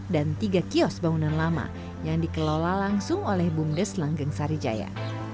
dan tiga kios bangunan lama yang dikelola langsung oleh bumdes langking sari jaya